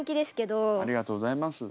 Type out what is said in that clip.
ありがとうございます。